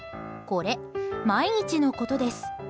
これ、毎日のことです。